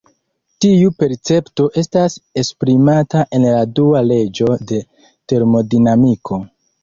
Tiu percepto estas esprimata en la dua leĝo de termodinamiko.